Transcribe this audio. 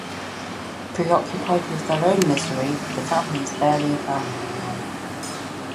Preoccupied with their own misery, the family is barely a family anymore.